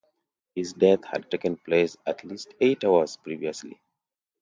His death had taken place at least eight hours previously.